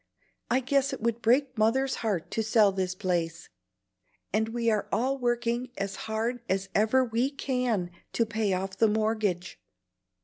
I guess it would break Mother's heart to sell this place, and we are all working as hard as ever we can to pay off the mortgage.